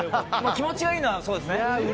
気持ちがいいのはそうですね。